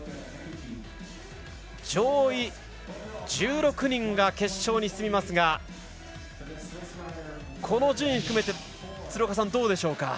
上位１６人が決勝に進みますがこの順位を含めて、どうでしょう。